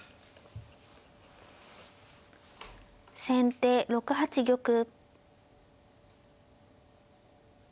先手６八玉。